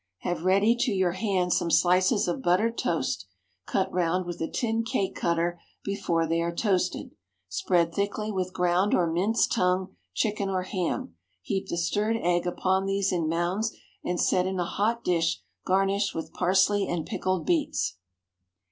Have ready to your hand some slices of buttered toast (cut round with a tin cake cutter before they are toasted); spread thickly with ground or minced tongue, chicken, or ham. Heap the stirred egg upon these in mounds, and set in a hot dish garnished with parsley and pickled beets.